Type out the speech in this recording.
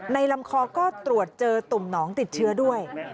ลำคอก็ตรวจเจอตุ่มหนองติดเชื้อด้วย